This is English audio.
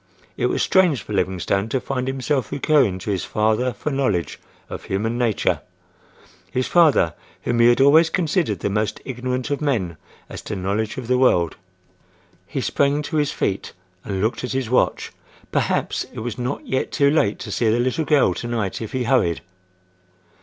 It was strange for Livingstone to find himself recurring to his father for knowledge of human nature—his father whom he had always considered the most ignorant of men as to knowledge of the world. He sprang to his feet and looked at his watch. Perhaps, it was not yet too late to see the little girl to night if he hurried?